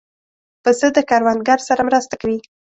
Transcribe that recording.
پسه د کروندګر سره مرسته کوي.